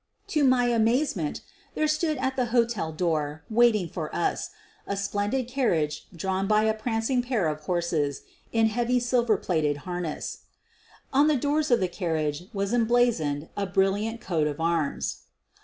To my amazement there stood at the hotel door waiting for us a splendid carriage drawn by u prancing pair of horses in heavy silver plated har ness. QUEEN OF THE BURGLARS 111 On the doors of the carriage was emblazoned a brilliant coat of arms.